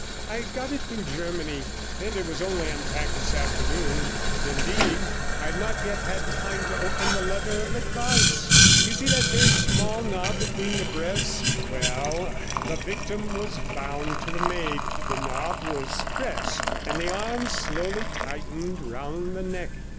I got it from Germany, and it was only unpacked this afternoon; indeed, I have not yet had time to open the letter of advice. You see that very small knob between the breasts? Well, the victim was bound to the Maid, the knob was pressed, and the arms slowly tightened round the neck.